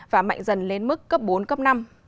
và mạnh dần lên mức cấp bốn cấp năm